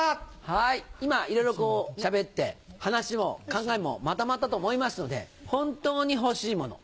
はい今いろいろこうしゃべって話も考えもまとまったと思いますので本当に欲しいもの。